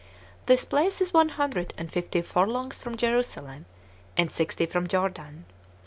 This place is one hundred and fifty furlongs from Jerusalem, and sixty from Jordan.